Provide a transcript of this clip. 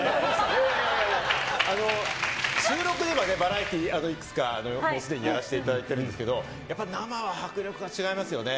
いやいや、収録ではバラエティー、いくつかもうすでにやらせていただいてるんですけど、やっぱ、生は迫力が違いますよね。